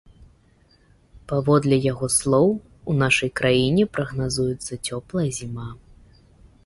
Паводле яго слоў, у нашай краіне прагназуецца цёплая зіма.